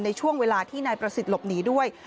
ในช่วงเวลาที่นายประสิทธิ์หลบหนีด้วย